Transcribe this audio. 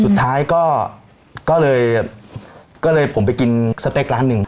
สุดท้ายก็เลยก็เลยผมไปกินสเต็กร้านหนึ่ง